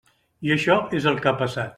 I això és el que ha passat.